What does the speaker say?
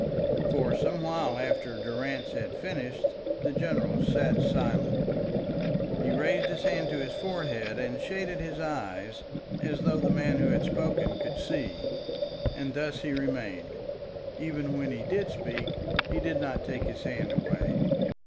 For some while after Durrance had finished, the general sat silent. He raised his hand to his forehead and shaded his eyes as though the man who had spoken could see, and thus he remained. Even when he did speak, he did not take his hand away.